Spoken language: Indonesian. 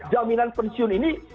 jaminan pensiun ini